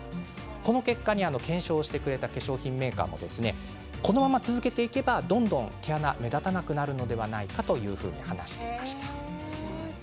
この結果で化粧品メーカーの方もこのまま続けていけば毛穴が目立たなくなるのではないかと言っていました。